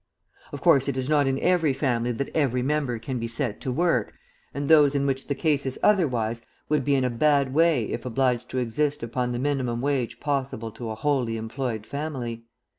Of course it is not in every family that every member can be set to work, and those in which the case is otherwise would be in a bad way if obliged to exist upon the minimum wage possible to a wholly employed family.